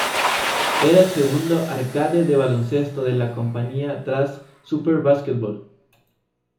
Era el segundo "arcade" de baloncesto de la compañía, tras "Super Basketball".